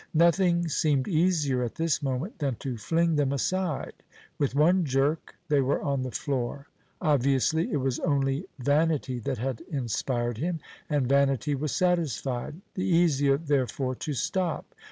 Nothing seemed easier at this moment than to fling them aside; with one jerk they were on the floor. Obviously it was only vanity that had inspired him, and vanity was satisfied: the easier, therefore, to stop.